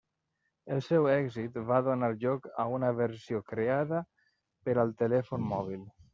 El seu èxit va donar lloc a una versió creada per al telèfon mòbil.